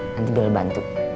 nanti bilal bantu